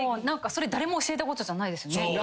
何かそれ誰も教えたことじゃないですよね？